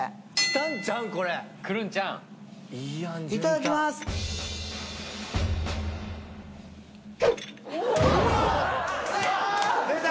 いただきます出た！